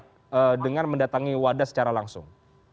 bagaimana kita mendengar mendatangi wadas secara langsung